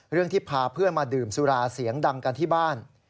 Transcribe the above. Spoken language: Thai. ที่พาเพื่อนมาดื่มสุราเสียงดังกันที่บ้าน